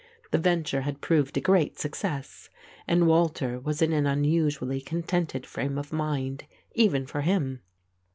The venture had proved a great success and Walter was in an unusually contented frame of mind, even for him.